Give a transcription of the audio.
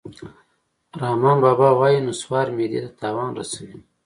رحمان بابا وایي: نصوار معدې ته تاوان رسوي